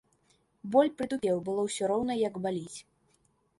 Боль прытупеў, было ўсё роўна як баліць.